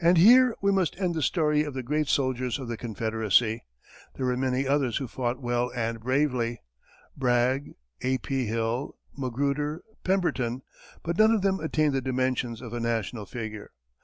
And here we must end the story of the great soldiers of the Confederacy. There were many others who fought well and bravely Bragg, A.P. Hill, Magruder, Pemberton but none of them attained the dimensions of a national figure.